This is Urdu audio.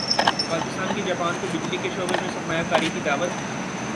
پاکستان کی جاپان کو بجلی کے شعبے میں سرمایہ کاری کی دعوت